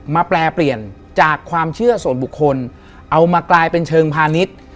แปลเปลี่ยนจากความเชื่อส่วนบุคคลเอามากลายเป็นเชิงพาณิชย์